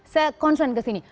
saya konsen kesini